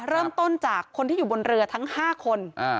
เริ่มต้นจากคนที่อยู่บนเรือทั้ง๕คน